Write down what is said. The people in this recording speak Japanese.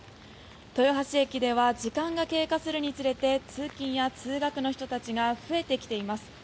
豊橋駅では時間が経過するにつれて通勤や通学の人たちが増えてきています。